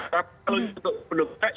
kalau untuk penduduknya